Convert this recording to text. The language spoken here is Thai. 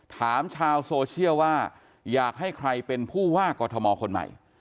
ถามชาวโซเชียลว่าอยากให้ใครเป็นผู้ว่ากอทมคนใหม่